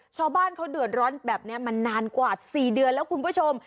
ชาวบ้านเขาเดือดร้อนแบบนี้มานานกว่า๔เดือนแล้วคุณผู้ชม